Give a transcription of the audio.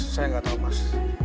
saya gak tau mas